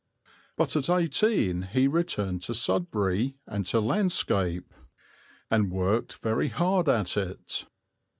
But at eighteen he returned to Sudbury and to landscape, and worked very hard at it.